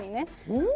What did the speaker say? うん？